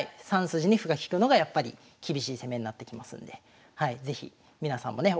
３筋に歩が利くのがやっぱり厳しい攻めになってきますんで是非皆さんもね